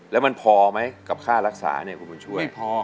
แล้วมันพอไหมกับค่ารักษาเนี่ยคุณบุญช่วย